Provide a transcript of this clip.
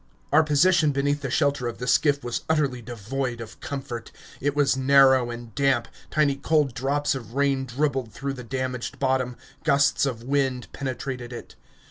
Our position beneath the shelter of the skiff was utterly devoid of comfort; it was narrow and damp, tiny cold drops of rain dribbled through the damaged bottom; gusts of wind penetrated it.